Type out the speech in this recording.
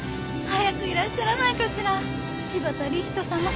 早くいらっしゃらないかしら柴田理人さま。